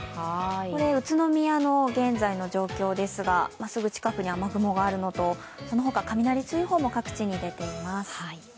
これ、宇都宮の現在の状況ですが、すぐ近くに雨雲があるのとその他、雷注意報も各地に出ています。